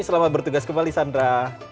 selamat bertugas kembali sandra